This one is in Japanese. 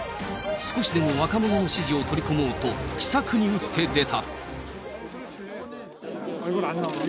少しでも若者の支持を取り込もうと、奇策に打って出た。